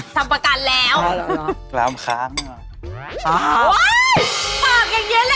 ทรัพย์ประกันแล้วโอ๊ยปากอย่างเงี้ยแหละที่ต้องการ